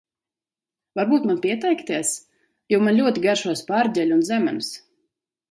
Varbūt man pieteikties? Jo man ļoti garšo sparģeļi un zemenes.